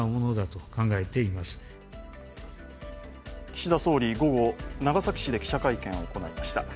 岸田総理は午後、長崎市で記者会見を行いました。